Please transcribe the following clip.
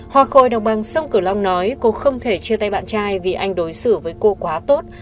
hòa khôi đồng bằng sông cửu long nói cô không thể chia tay bạn trai vì anh đối xử với cô quá tốt